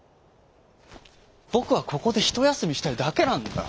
ぼくはここでひとやすみしたいだけなんだ」。